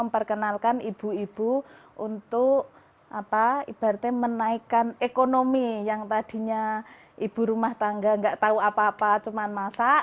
memperkenalkan ibu ibu untuk ibaratnya menaikkan ekonomi yang tadinya ibu rumah tangga nggak tahu apa apa cuma masak